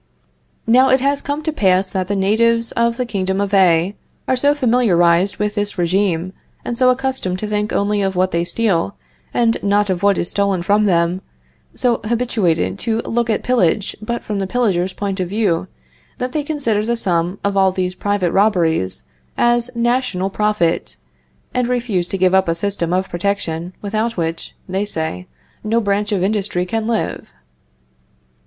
"Now it has come to pass that the natives of the Kingdom of A are so familiarized with this regime, and so accustomed to think only of what they steal, and not of what is stolen from them, so habituated to look at pillage but from the pillager's point of view, that they consider the sum of all these private robberies as national profit, and refuse to give up a system of protection without which, they say, no branch of industry can live."